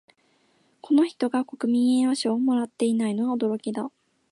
この人が国民栄誉賞をもらっていないのは驚きだ